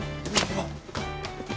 あっ。